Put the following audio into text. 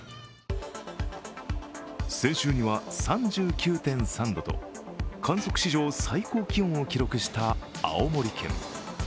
先週には３９．３度と観測史上最高気温を記録した青森県。